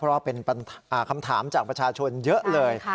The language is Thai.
เพราะว่าเป็นคำถามจากประชาชนเยอะเลย